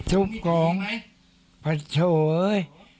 ทุบของพระโชคเอ้ย